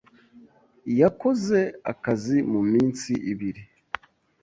Yakoze akazi muminsi ibiri.